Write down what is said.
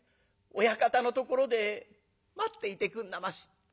親方のところで待っていてくんなまし」。